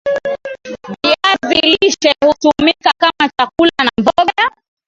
viazi lishe hutumika kama chakula na mboga